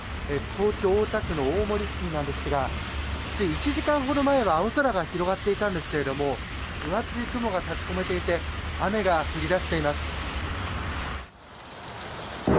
東京・大田区の大森付近ですが１時間ほど前は青空が広がっていたんですけれども分厚い雲が立ち込めていて雨が降り出しています。